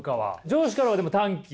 上司からはでも短気？